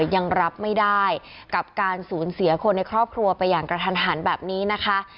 ยังรับไม่ได้กับการสูญเสียคนในครอบครัวไปอย่างกระทันหันแบบนี้นะคะ